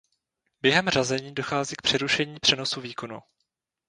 Během řazení dochází k přerušení přenosu výkonu.